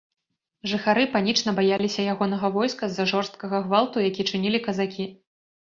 Жыхары панічна баяліся ягонага войска з-за жорсткага гвалту, які чынілі казакі.